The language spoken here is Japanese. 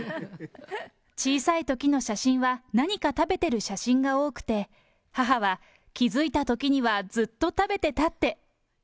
小さいときの写真は何か食べてる写真が多くて、母は、気付いたときにはずっと食べてたって。